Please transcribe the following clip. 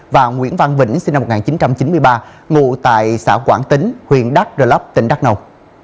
và nguyễn văn vĩnh sinh năm một nghìn chín trăm chín mươi ba ngủ tại xã quảng tính huyện đắk rờ lắp tỉnh đắk nộc